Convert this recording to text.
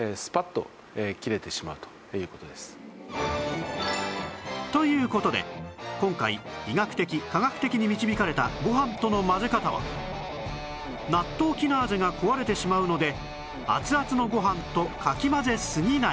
だからという事で今回医学的・科学的に導かれたご飯との混ぜ方はナットウキナーゼが壊れてしまうので熱々のご飯とかき混ぜすぎない